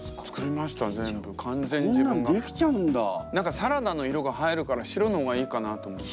サラダの色が映えるから白の方がいいかなと思って。